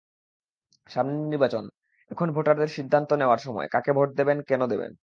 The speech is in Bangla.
সামনে নির্বাচন, এখন ভোটারদের সিদ্ধান্ত নেওয়ার সময়, কাকে ভোট দেবেন, কেন দেবেন।